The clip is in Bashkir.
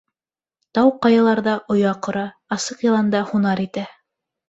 Тау-ҡаяларҙа оя ҡора, асыҡ яланда һунар итә.